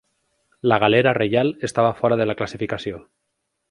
La galera reial estava fora de la classificació.